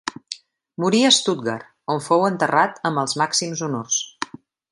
Morí a Stuttgart, on fou enterrat amb els màxims honors.